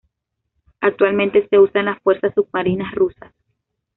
Actualmente se usa en las fuerzas submarina Rusas.